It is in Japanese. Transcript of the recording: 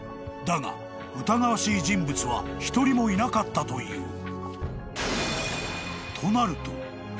［だが疑わしい人物は一人もいなかったという］